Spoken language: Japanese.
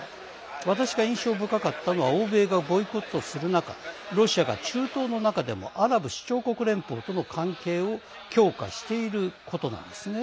私が印象深かったのは欧米がボイコットする中ロシアが中東の中でもアラブ首長国連邦との関係を強化していることなんです。